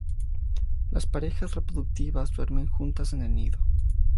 Las parejas reproductivas duermen juntas en el nido.